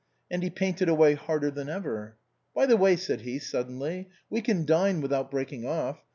And he painted away harder than ever. " By the way," said he, suddenly, " we can dine without breaking off.